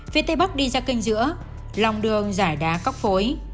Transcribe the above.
phía tây bắc đi ra kênh giữa lòng đường giải đá cóc phối